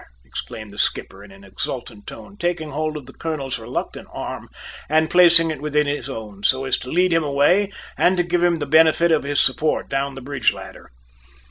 exclaimed the skipper in an exultant tone, taking hold of the colonel's reluctant arm and placing it within his own, so as to lead him away and to give him the benefit of his support down the bridge ladder.